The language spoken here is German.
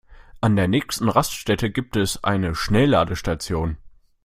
An der nächsten Raststätte gibt es eine Schnellladestation.